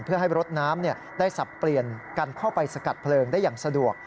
เพื่อให้รถน้ำได้สับเปลี่ยนกันเข้าไปสกัดเพลิงได้อย่างสะดวก